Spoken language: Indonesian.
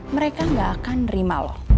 mereka gak akan nerima loh